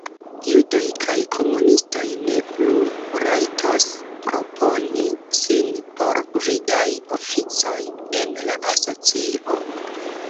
Judoj kaj komunistoj ne plu rajtos proponi sin por gvidaj oficoj en la asocio.